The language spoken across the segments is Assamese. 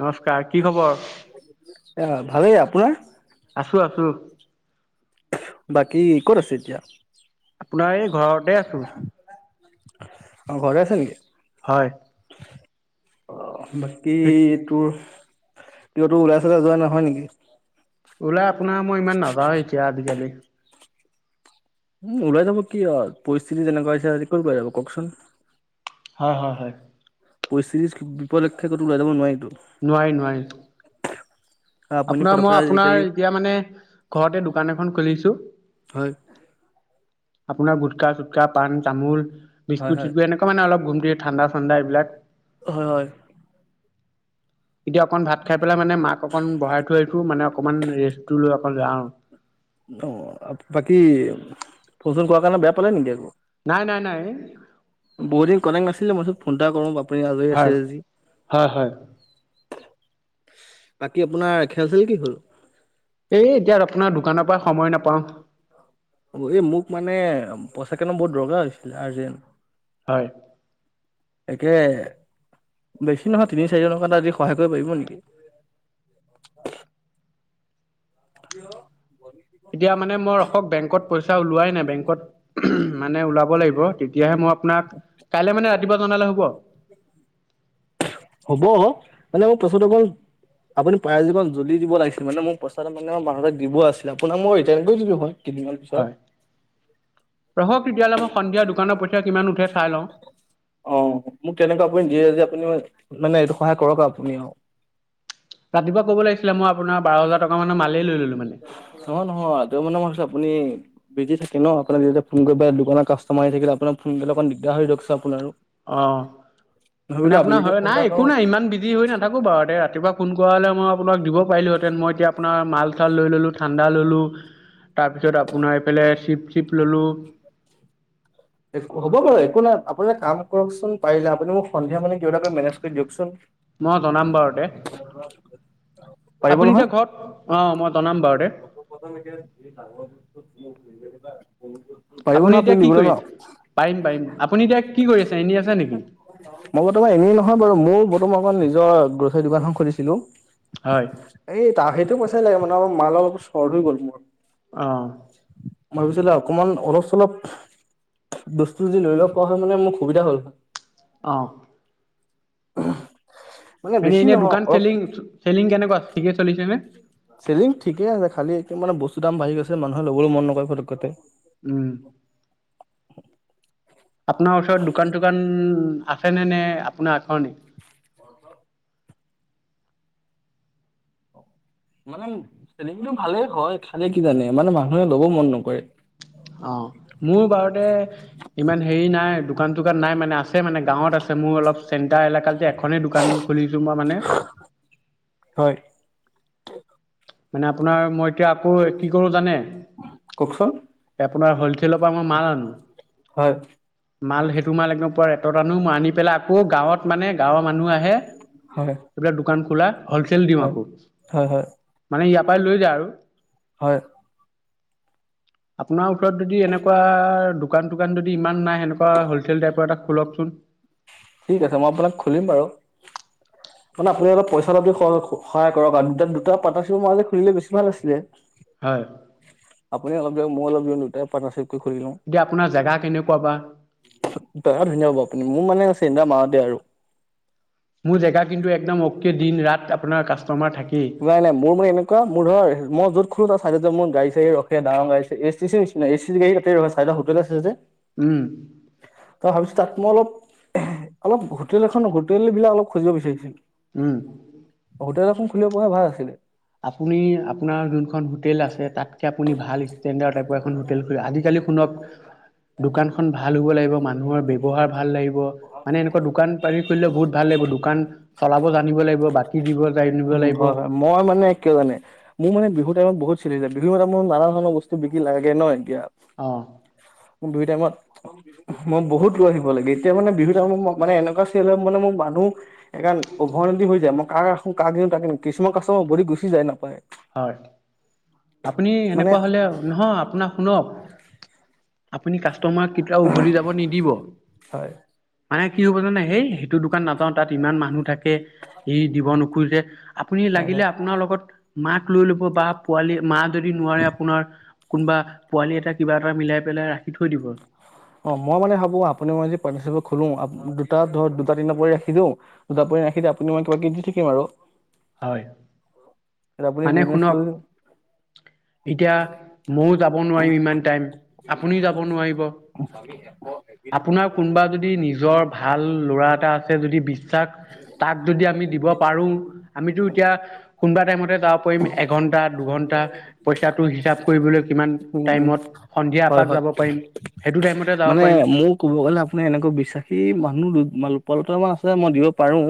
নমস্কাৰ কি খবৰ? [inaudible] ভালেই আপোনাৰ? আছোঁ আছোঁ। বাকী ক'ত আছে এতিয়া? আপোনাৰ এই ঘৰতে আছোঁ। অ ঘৰতে আছে নেকি? হয়। অ বাকী তোৰ কিয়তোৰ ওলাই চোলাই যোৱা নহয় নেকি? ওলাই আপোনাৰ মই ইমান নাযাওঁ এতিয়া আজিকালি। উম ওলাই যাব কি আৰু পৰিস্থিতি যেনেকুৱা হৈছে কত ওলাই যাব কওকচোন। হয় হয় হয়। পৰিস্থিতিৰ বিপলক্ষে ক'তো উলাই যাব নোৱাৰিটো। নোৱাৰি নোৱাৰি। [unintelligible] আপোনাৰ মই ফটককে আপোনাৰ আজিকালি এতিয়া মানে ঘৰতে দোকান এখন খুলিছো। [inaudible] আপোনাৰ গুটকা চুটকা পান-তামোল হয় বিস্কুট হয় চিছকুট এনেকুৱা মানে অলপ ঘুমটি ঠাণ্ডা ঠাণ্ডা এইবিলাক। হয় হয়। এতিয়া অকণ ভাত খাই পেলাই মানে মাক অকণ বঢ়াই থৈ আহিছোঁ, মানে অকণমান ৰেষ্টটো লৈ অকণ লৈ যাওঁ। অ বাকী ফোন-চোন কৰা কাৰণে বেয়া পালে নেকি আকৌ? নাই নাই নাই। বহুত দিন কটেক্ট নাছিলে মই ভাবিলোঁ ফোন এটা কৰো আপুনি আজৰি আছে হয় আজি। হয় হয় বাকী আপোনাৰ খেল-চেল কি হ'ল? এই এতিয়া আপোনাৰ দোকানৰ পৰা সময় নাপাওঁ। অ এই মোক মানে পইচাকেইটামান বহুত দৰকাৰ হৈছিলে আৰ্জেণ্ট। হয়। একে বেছি নহয় তিনি চাৰি হাজাৰ আজি এটা সহায় কৰিব পাৰিব নেকি? কিয় এতিয়া মানে মই অখক বেংকত পইচা ওলোৱাই নাই বেংকত মানে ওলাব লাগিব তেতিয়াহে মই আপোনাক, কাইলে মানে ৰাতিপুৱা জনালে হব? হ'ব মানে মোক পাছত আকৌ আপুনি প্ৰাৰেজীৱ জল্দি দিব লাগিছিল মানে মোক পইচাটো মানে মানুহক দিব আছিলে আপোনাক মই ৰিটাৰ্ণ কৰি দিলো হয় কেইদিনমান পিছত। হয় ৰহক তেতিয়াহ'লে মই সন্ধিয়া দোকানৰ পইছা কিমান উঠে চাই লওঁ অ মোক তেনেকুৱা আপুনি দিয়ে আজি আপুনি মানে এইটো সহায় কৰক আপুনি আৰু ৰাতিপুৱা ক'ব লাগিছিলে মইআপোনাৰ বাৰ হাজাৰ টকা মানে মাল লৈলো মানে নহয় নহয় ত মানে মইছো আপুনি বিজি থাকে ন আপুনি নিজয়া ফোন কৰিব দোকান কাষ্টমাৰ আহ থাকিলে আপোনাক ফোন কৰিলে অকণ দিগাৰ দিয়কোন আপোনাৰ আৰু অ মানে আপোনাৰ হয় ফোন এটা নাই একো কৰোঁ। নাই ইমান বিজি হয় না থাকোঁ বাৰু এতি ৰাতিপুৱা ফোন কৰা হলে মই আপাকিব পাৰিলোহেঁতেন মই এতিয়া আপোনাৰ মাল চাল লৈ ল'লো ঠাণ্ডা ল'লোঁ তাৰপিছত আপোনাৰ এইফালে চিপ চিপ ল'লোঁ হ'ব বাৰু একো নাই আপুনি এটা কাম কৰকচোন পাৰিলে আপুনি মোক সন্ধিয়া মানে কিবাকৈ মেনেজ কৰি দিয়কচোন মই জনাম বাৰু দে পাৰিব আপুনি নহয় এতিয়া ঘৰত অ মই জনাম বাৰু দে [unintelligible] আপুনি নহয় এতিয়া কি দিবলৈ ন? কৰিছে পাৰিম পাৰিম আপুনি এতিয়া কি কৰি আছে এনে আছে নেকি মই বৰ্তমানই এনেই নহয় বাৰু মোৰ বৰ্তমান মই অকমান নিজৰ [unintelligible] দোকানখন খুলিছিলো হয় এই তাহেইটো পইচাই লাগে মানে মালৰ অলপ চৰ হৈ গ'ল মোৰ অ মই ভাবিছিলো অকমান অলপ চলপ বস্তু যদি লৈ লব পোৱা হয় মানে মোৰ সুবিধা হ'ল অঁ মানে বেছি এনেই নহয় দোকান অলপ চেলিং চেলিং কেনেকুৱা ঠিকে চলিছে নে চেলিং ঠিকে আছে খালি মানে বস্তুৰ দাম বাঢ়ি গৈ মানুহে লগৰো মন নকৰে ফটকতে উম আপোনাৰ ওচৰত দোকান চোকান আছে নে নে আপোনাৰ আখৰণে মানে চেলেঙটো ভালে হয় খালে কিজানি মানে মানুহে লব মন নকৰে অ মোৰ বাৰতে ইমান হেৰি নাই দোকান চোকান নাই মানে আছে মানে গাঁৱত আছে মোৰ অলপ চেণ্টাৰ এলেকাত যে এখনেই দোকান খুলিছো মই মানে হয় মানে আপোনাৰ মই এতিয়া আকৌ কি কৰো জানে কোওকচোন আপোনাৰ হ'লছেলৰ পৰা মই মাল আনো হয় মাল সেইটো মাল একদম পুৰা ৰেটত আনো মই আনি পেলাই আ আকৌ গাঁৱত মানে গাঁৱৰ মানুহ আহে হয় এইবিলাক দোকান খোলা হলচেল দিওঁ হয় আকৌ হয় হয় মানে ইয়াৰ পৰা লৈ যায় আৰু হয় [unintelligible] আপোনাৰ ওচৰত যদি এনেকুৱা দোকান দোকান যদি ইমান নাই সেনেকুৱা হোলচেল টাইপৰ এটা খোলকচোন ঠিক আছে মই আপোনাক খুলিম বাৰু [unintelligible] মানে আপুনি অলপ পইচা সহায় কৰক আৰু দুটা পাৰ্টনাৰশিপ মাজে খুলিলে বেছি ভাল আছিলে হয় আপুনিও অলপ দিয়ক মইও অলপ দিও, দুইটাই পাৰ্টনাৰশ্বিপ কৰি খুলি লওঁ। এতিয়া আপোনাৰ জেগা কেনেকুৱা বা? জেগা ধুনীয়া হ'ব, আপুনি মোৰ মানে চেণ্টাৰ মাজতে আৰু। মোৰ জেগা কিন্তু একদম অকে দিন ৰাত আপোনাৰ কাস্ত নাই নাই মোৰ মানে এনে কোৱা মোৰ ধৰ, মই য'ত খোলো তাৰ চাইডতে মোৰ গাড়ী-চাড়ী ৰখে, ডাঙৰ গা়ড়ী-চাড়ী S T C station, S T C গাড়ী তাতে ৰখে চাইডত হোটেল আছে। ছে যে। উম। তো ভাবিছোঁ তাত মই অলপ অলপ হোটেল এখন, হোটেল বিলাক অলপ খুজিব বিচাৰিছিল। উম। হোটেল এখন খুলিব পৰা হ'লে ভাল আছিলে। আপুনি আপোনাৰ যোনখন হোটেল আছে, তাতকে আপুনি ভাল ষ্টেণ্ডাৰ্ড টাইপৰ এখন হোটেল খুলি, আজিকালি শুনক, দোকান খন ভাল হ'ব লাগিব, মানুহৰ ব্যৱহাৰ ভাল লাগিব। মানে এনেকুৱা দোকান পাৰি খুলিলে বহুত ভাল লাগিব। দোকান চলাব জানিব লাগিব, বাকী দিব জানিব উম লাগিব। হয় হয় মই মানে, কিয় জানে? মোৰ মানে বিহুৰ টাইমত বহুত চেইল হৈ যায়। বিহুৰ টাইমত নানা ধৰণৰ বস্তু বিক্ৰী লাগে ন' এতিয়া। অ'। মোৰ বিহু টাইমত মই বহুত দূৰ আহিব লাগে। এতিয়া মানে বিহুৰ টাইমত মোক মানে এনেকুৱা চেইল হয়, মানে মোক মানুহ সেইকাৰণে উভয় নদী হৈ যায়। মই কাৰ ৰাখো, কাক দিওঁ তাকে নো। কিছুমান কাষ্টমাৰ উভতি গুচি যায় নাপায়। হয়, আপুনি মানে এনেকুৱা হ'লে নহয় আপোনাক শুনক, আপুনি কাষ্টমাৰক কেতিয়াও উভতি যাব নিদিব। হয়। মানে কি হ'ব জানে? সেই সেইটো দোকান নাযাও, তাত ইমান মানুহ থাকে, সি দিব নোখোজে। আপুনি হয় হয় লাগিলে আপোনাৰ লগত মাক লৈ ল'ব বা পোৱালি, মা যদি নোৱাৰে আপোনাৰ কোনোবা পোৱালি এটাক কিবা এটা মিলাই পেলাই ৰাখি থৈ দিব। অ', মই মানে ভাবোঁ আপুনি মই যদি পাৰ্টনাৰশ্বিপত খোলো, আপ দুটা ধৰক দুটা, তিনিটা পোৱালি ৰাখি দিওঁ। দুটা পোৱালি ৰাখি দে আপুনি মই কিবা কিবি দি থাকিম আৰু। হয়। বোলে মানে বিজনেছ টো শুনক এতিয়া ময়ো যাব নোৱাৰিম ইমান টাইম, আপুনিও যাব নোৱাৰিব। [unintelligible] আপোনাৰ কোনোবা যদি নিজৰ ভাল ল'ৰা এটা আছে, যদি বিশ্বাস তাক যদি আমি দিব পাৰোঁ, আমিতো এতিয়া কোনোবা টাইমতে যাব পাৰিম এঘন্টা, দুঘন্টা পইচাটো হিচাপ কৰিবলৈ। কিমান উম উম টাইমত? সন্ধিয়া হয় এপাক হয় যাব পাৰিম। সেইটো টাইমত মানে, মোৰ ক'ব গ'লে আপোনাৰ এনেকুৱা বিশ্বাসী মানুহ দু মল পলটা মান আছে, মই দিব পাৰোঁ।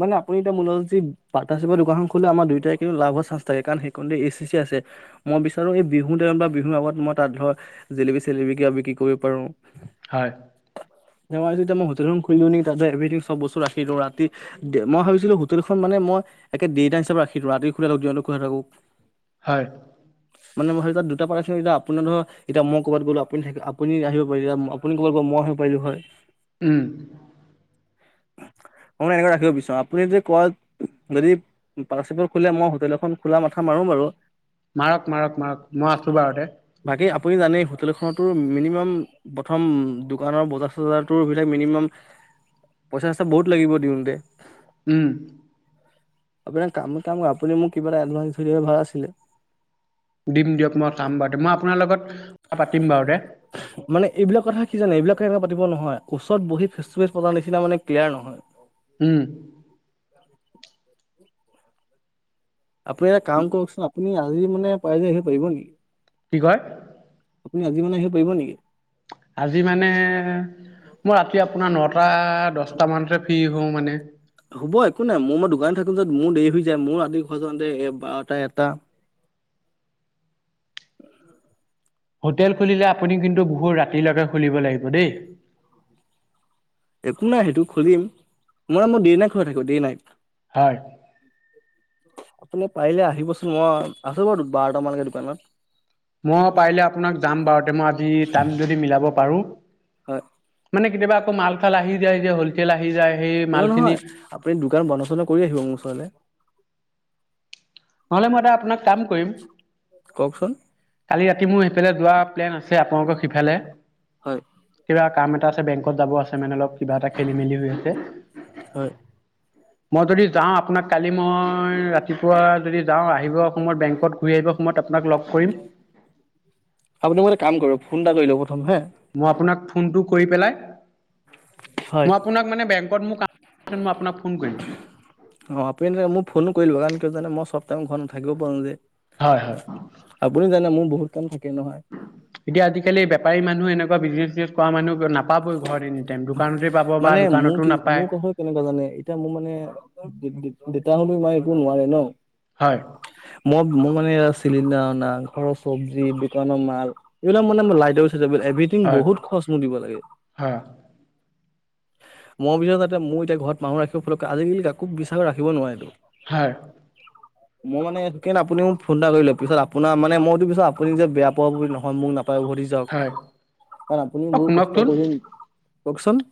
মানে আপুনি এতিয়া মোৰ লগত যে, পাৰ্টনাৰশ্বিপত দোকানখন খোলে আমাৰ দুয়োটাৰে কিন্তু লাভ হোৱাৰ চাঞ্চ থাকে, কাৰণ সেইকনতে এছ টি চি আছে। মই বিচাৰো এই বিহু টাইমত বা বিহুৰ আগত মই তাত ধৰক, জেলেপী চেলেপী কিবা বিক্ৰী কৰিব পাৰো। হয়। মই ভাবিছোঁ এতিয়া মই হোটেলখন খুলি দিওঁ নেকি? তাতে এভ্ৰিথিং চব বস্তু ৰাখি দিও, ৰাতি দে মই ভাবিছিলোঁ হোটেলখন মানে মই একে দে নাইট হিচাপে ৰাখি দিও, ৰাতিও খুলা থাকক দিনটো খোলা থাকক। হয়। মানে মোৰ ভাগত দুটা পৰা তিনিটা। আপোনাৰ ধৰ, এতিয়া মই ক'বাত গ'লো আপনি থাকিল। আপুনি আহিব মই যাম। আপুনি কৈ দিব মই হে পাৰিলো হয়। উম মই এনেকৈ ৰাখিব বিচাৰো। আপুনি যদি কয়, যদি পাৰ্টনাৰশ্বিপত খোলে, মই হোটেল এখন খোলা মাথা মাৰো বাৰু। মাৰক-মাৰক-মাৰক। মই আছো বাৰু দে। বাকী আপুনি জানেই হোটেল এখনত টো মিনিমাম প্ৰথম দোকানৰ বজাৰ চজাৰটোৰ মিলাক মিনিমান পইচা-চইছা বহুত লাগিব দিওঁতে, উম' আপোনাৰ কাম এটা আপুনি মোক কিবা এটা এডভাঞ্চ ধৰিবলৈ ভাল আছিলে। দিম দিয়ক। মই চাম বাৰু দ মই আপোনাৰ লগত পাতিম বাৰু দে। মানে এইবিলাক কথা কি জানে, এইবিলাক কেনেকা পাতিব নহয়। ওচৰত বহি ফেচ-টু-ফেচ পতাৰ নিচিনা মানে ক্লিয়াৰ নহয়। উম' উ [inaudible] আপুনি এটা কাম কৰকচোন। আপুনি আজি মানে পাৰিলে আহিব পাৰিব নেকি? কি কয়? আপুনি আজি মানে আহিব পাৰিব নেকি? আজি মানে, মই ৰাতি আপোনাৰ নটা, দহটা মানতে ফ্ৰী হওঁ মানে। হ'ব একো নাই। মোৰ মই দোকান থাকোম যত মোৰ দেৰি হৈ যায়। মোৰ ৰাতি ঘৰ যওঁতে বাৰটা, এটা হোটেল খুলিলে আপুনি কিন্তু বহুত ৰাতিলৈকে খুলিব লাগিব দেই। একো নাই সেইটো খুলিম। নহয় মোৰ দে-নাইট খোলা থাকিব দে-নাইট। হয়। আপুনি পাৰিলে আহিবচোন। মই আছো বাৰু বাৰটা মানলে দোকানত। মই পাৰিলে আপোনাক যাম বাৰু তে, মই আজি টাইম যদি মিলাব পাৰো। হয় মানে কেতিয়াবা আকৌ মাল চাল আহি যায় যে, হ'লচেল আহি যায় সেই নহয় মাল খিনি নহয় আপুনি দোকান বন্ধ-চন্দ কৰি আহিব মোৰ ওচৰলৈ। নহ'লে মই এটা আপোনাক কাম কৰিম। কওকচোন কালি ৰাতি মোৰ সেইফালে যোৱা প্লেন আছে। আছে আপোনালোকক সিফালে, হয় কিবা কাম এটা আছে বেংকত যাব আছে মানে অলপ কিবা এটা খেলি-মেলি হৈ আছে। হয় মই যদি যাওঁ আপোনাক কালি মই ৰাতিপুৱা যদি যাওঁ আহিব সময়ত বেংকত ঘূৰি আহিব সময়ত আপোনাক লগ কৰিম। আপুনি মোলে কাম কৰিব ফোনটা কৰি ল'ব প্ৰথম হে, মই আপোনাক ফোনটো কৰি পেলাই। হয় মই আপোনাক মানে বেংকত মোক, মই আপোনাক ফোন কৰিম। অঁ আপুনি মোক ফোনো কৰি ল'ব কাৰণ কিয় জানে, মই চব টাইম ঘৰত নাাকিব পাৰোঁ যে। হয় হয়। আপুনি জানে মোৰ বহুত কাম থাকে নহয়। এতিয়া আজিকালি বেপাৰী মানুহ এনেকুৱা বিজ চজনেছ কৰা মানুহ নাপায় নাপাবই ঘৰত এনি টাইম। দোকানতে পাব বা মানে মোৰ দোকানতো কি মোৰ নাপায় কথা কেনেকুৱা জানে। এতিয়া মোৰ মানে দেতাই মাই একো নোৱাৰে ন। হয়। মই মোৰ মানে চিলিণ্ডাৰ অনা, ঘৰৰ চবজি, দোকানৰ মাল, এইবিলাক মানে লাইটৰ চাইটৰ বিল এভথিং বহুত খৰচ মোৰ দিব লাগে। হা- মই বিচাৰো তাতে মোৰ এতিয়া ঘৰত মানুহ ৰাখিব ফতকে আজিকালি কাকো বিশ্বাস ৰাখিব নোৱাৰে। উ মই মানে সেইকাৰণ আপুনি মোক ফোন এটা কৰিলে, পিছত আপোনাৰ মানে মই পিছত আপুনি যে বেয়া পোৱা বুলি নহয়। মোক নাপায় উভতিছে যাওঁক, হয় কাৰণ আপুনি অ বহু কষ্ট শুনকচোন কৰিম, কওকচোন?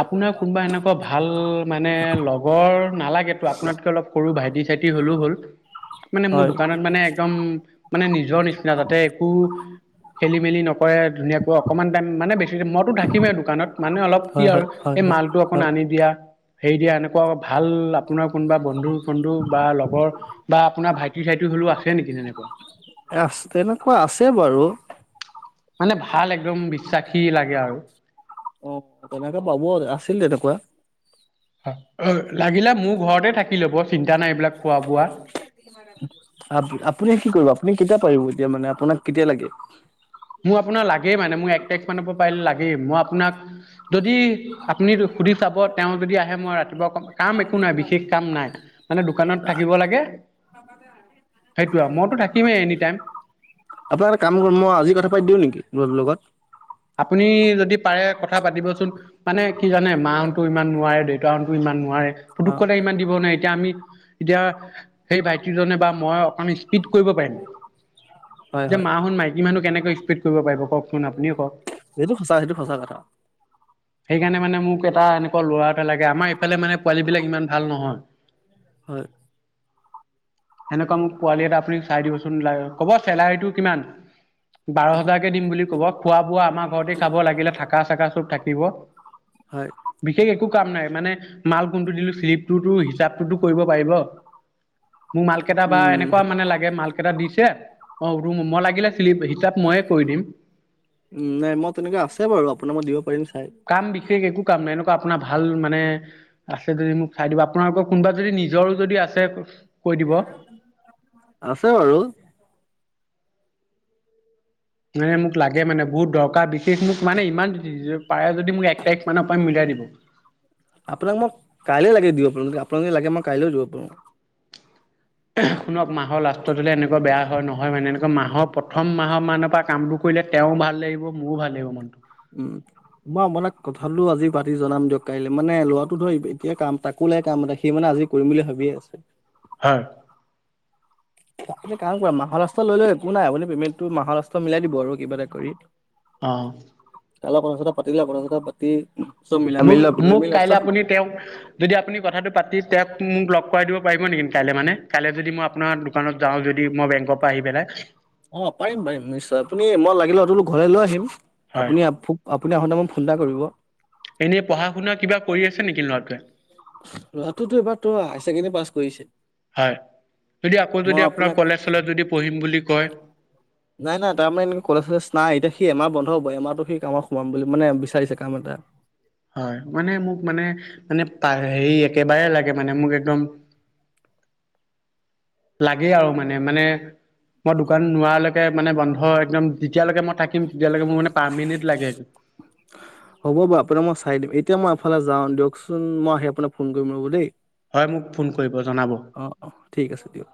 আপোনাৰ কোনোবা এনেকুৱা ভাল মানে লগৰ নালাগে আপোনাতকে অলপ সৰু ভাইটি চাইটি হ'লেও হ'ল, মানে মোৰ হয় দোকানত মানে একদম মানে নিজৰ নিচিনা, তাতে একো খেলি মেলি নক কৰে, ধুনীয়াকৈ অকমান টাইম মানে, বেছি মইতো থাকিমেই দোকানত মানে অলপ কি হয় হয় আৰু হয় এই হয় মালটো অকন হয় আনি দিয়া হেৰি দিয়া এনেকুৱা ভাল আপোনাৰ কোনোবা বন্ধু বন্ধু বা লগৰ বা আপোনাৰ ভাইটি চাইটি হ'লেও আছে নেকি তেনেকুৱা? তেনেকুৱা আছে বাৰু। মানে ভাল একদম বিশ্বাসী লাগে আৰু। অ' তেনেকে পাব, আছিল তেনেকুৱা। লাগিলে মোৰ ঘৰতে থাকি ল'ব, চিন্তা নাই এইবিলাক খোৱা বোৱা। আপুনি কি কৰিব আপুনি কেতিয়া পাৰিব এতিয়া মানে আপোনাক কেতিয়া লাগে? মোৰ আপোনাৰ লাগেই মানে মোৰ এক তাৰিখ মানৰ পৰা পাৰিলে লাগেই, মই আপোনাক যদি আপুনি সুধি চাব, তেওঁ যদি আহে মই ৰাতিপুৱা কম। কাম একো নাই বিশেষ কাম নাই মানে, দোকানত থাকিব লাগে সেইটো আৰু। মইতো থাকিমেই এনি টাইম। আপোনাৰ এটা কাম কৰিম, মই আজি কথা পাতি দিওঁ নেকি ল'ৰাটোৰ লগত? আপুনি যদি পাৰে কথা পাতিবচোন। মানে কি জানে মাহ'তো ইমান নোৱাৰে দেউতাহ'তো ইমান নোৱাৰে। অ পুতুকতে ইমান দিব নাই, এতিয়া আমি এতিয়া সেই ভাইটিজনে বা মই অকণ স্পীড কৰিব পাৰিম। হয় যে হয় মাহ'ত মাইকী মানুহ কেনেকে স্পীড কৰিব পাৰিব কওঁকচোন আপুনিয়ে কওঁক। সেইটো সঁচা সেইটো সঁচা কথা। সেইকাৰণে মানে মোক এটা এনেকুৱা ল'ৰা এটা লাগে, আমাৰ ইফালে মানে পোৱালী বিলাক ইমান ভাল নহয়। হয়। সেনেকুৱা মোক পোৱালি এটা আপুনি চাই দিবচোন, ক'ব চেলাৰীটো কিমান? বাৰ হাজাৰকে দিম বুলি ক'ব, খোৱা বোৱা আমাৰ। ঘৰতি খাব লাগিলে থাকা চাকা চব থাকিব। হয়। বিশেষ একো কাম নাই, মানে মাল কোনটো দিলো শ্লিপটোতো হিচাপটোতো কৰিব পাৰিব। মোক মাল কেইটা বা উম এনেকুৱা মানে লাগে মাল কেইটা দিছে, অ' ৰুম মই লাগিলে চিলিপ হিচাপ ময়ে কৰি দিম। উ নাই মই তেনেকুৱা আছে বাৰু আপোনাৰ মই দিব পাৰিম চাই। কাম বিশেষ একো কাম নাই, এনেকুৱা আপোনাৰ ভাল মানে আছে যদি মোক চাই দিব। আপোনালোকৰ কোনোবা যদি নিজৰো যদি আছে কৈ দিব। আছে বাৰু। মানে মোক লাগে মানে বহুত দৰকাৰ, বিশেষ মোক মানে ইমান পাৰে যদি মোক এক তাৰিখ মানৰ পৰা মিলাই দিব। আপোনাক মই কাইলৈ লাগে দিব পাৰো, আপোনাক লাগে যদি মই কাইলৈ দিব পাৰো। শুনক মাহৰ লাষ্টত হ'লে এনেকুৱা বেয়া হয় নহয়, মানে এনেকুৱা মাহৰ প্ৰথম মাহৰ মানৰ পৰা কামবোৰ কৰিলে তেওঁ ভাল লাগিব মোৰো ভাল লাগিব মনটো। উম, মই আপোনাক কথাটো আজি পাতি জনাম দিয়ক কাইলৈ। মানে লৰাটো ধৰ এতিয় কাম তাক ক'লে কাম এটা সি মানে আজি কৰিম বুলি ভাবিয়ে আছে। হয়। তুমি কাম কৰা মাহৰ লাষ্টত লৈ লৈ একো নাই, আপুনি পেমেণ্টটো মাহৰ লাষ্টত মিলাই দিব আৰু কিবা এটা কৰি। অ। তাৰ লগত কথা চথা পাতিলে, কথা চথা পাতি চব মিলাই মোক মিলি লওক মোক মিলি কাইলৈ লাষ্টত আপুনি তেওঁক যদি আপুনি কথাটো পাতি তেওঁক মোক লগ কৰাই দিব পাৰিব নেকি, কাইলৈ মানে, কাইলৈ যদি মই আপোনাৰ দোকানত যাওঁ যদি মই বেংকৰ পা আহি পেলাই। অ' পাৰিম, পাৰিম নিশ্চয়, আপুনি মই লাগিলে অতল ঘৰ লৈ আহিম, হয় আপুনি আপুনি আহঁতে মোক ফোন এটা কৰিব। এনেই পঢ়া শুনা কিবা কৰি আছে নেকি লৰাটোৱে। লৰাটোতো এবাৰ তোৰ হায়াৰ ছেকেণ্ডৰী পাছ কৰিছে, হয় যদি আকৌ যদি মই আপোনাৰ আপোনাক কলেজ যদি পঢ়িম বুলি কয়? নাই নাই তাৰ মানে এনেকে কলেজ চলেজ নাই, এতিয়া সি এমাহ বন্ধ হ'ব, এমাহটো সি কামত সোমাম বুলি মানে বিচাৰিছে কাম এটা। হয়' মানে মোক মানে, মানে হেৰি একেবাৰে লাগে মানে মোক একদম লাগেই আৰু মানে মানে মই দোকান নোৱালৈকে মানে বন্ধ হয়' একদম যেতিয়ালৈকে মই থাকিম, তেতিয়ালৈকে মোৰ মানে পাৰ্মেনেণ্ট লাগে। হ'ব বাৰু আপোনাক মই চাই দিম। এতিয়া মই এফালে যাওঁ দিয়কচোন, মই আহি আপোনাক ফোন কৰিম ৰ'ব দেই। হয় মোক ফোন কৰিব জনাব। অ' অ' ঠিক আছে দিয়ক।